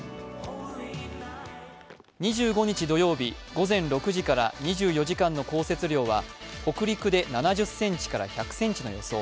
２５日土曜日午前０時から２４時間の降雪量は北陸で７０ｃｍから１００ｃｍの予想。